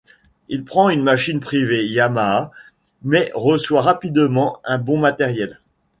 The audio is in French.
Il prend une machine privée Yamaha, mais reçoit rapidement un bon matériel.